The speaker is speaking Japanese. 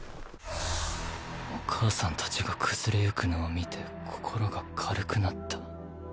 お母さん達が崩れ行くのを見て心が軽くなった。